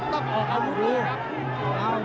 ต้องออกอาวุธครับ